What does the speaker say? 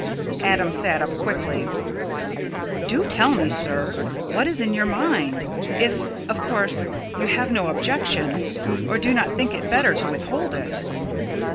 Adam sat up quickly. "Do tell me, sir, what is in your mind if, of course, you have no objection, or do not think it better to withhold it."